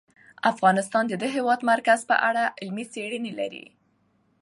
افغانستان د د هېواد مرکز په اړه علمي څېړنې لري.